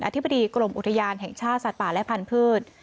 ธิบดีกรมอุทยานแห่งชาติสัตว์ป่าและพันธุ์